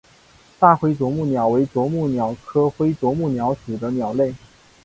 大灰啄木鸟为啄木鸟科灰啄木鸟属的鸟类。